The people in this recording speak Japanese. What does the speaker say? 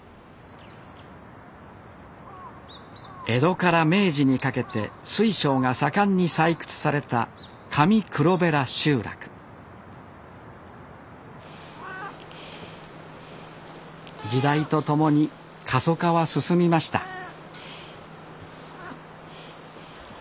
江戸から明治にかけて水晶が盛んに採掘された時代と共に過疎化は進みました